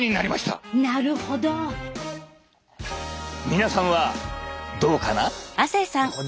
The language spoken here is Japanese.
皆さんはどうかな？